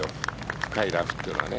深いラフというのは。